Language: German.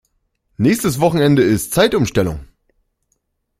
Nächstes Wochenende ist Zeitumstellung.